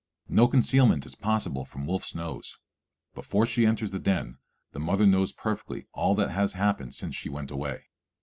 No concealment is possible from wolf's nose; before she enters the den the mother knows perfectly all that has happened since she went away.